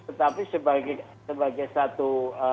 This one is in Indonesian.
tetapi sebagai satu